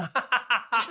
ハハハハ！